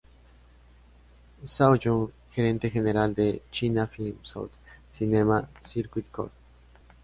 Zhao Jun, gerente general de China Film South Cinema Circuit Co.